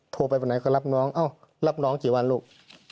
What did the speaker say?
โทรไปวันไหนก็รับน้องเอ้ารับน้องกี่วันลูก